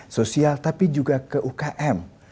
sosial tapi juga ke ukm